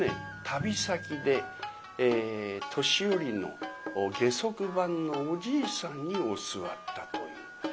旅先で年寄りの下足番のおじいさんに教わったという。